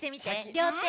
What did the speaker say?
りょうて。